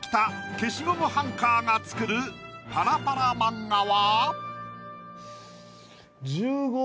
消しゴムハンカーが作るパラパラ漫画は。